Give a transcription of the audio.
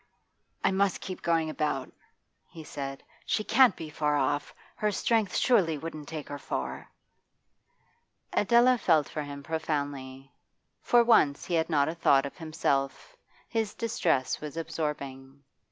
'I must keep going about,' he said. 'She can't be far off; her strength, surely, wouldn't take her far.' Adela felt for him profoundly; for once he had not a thought of himself, his distress was absorbing.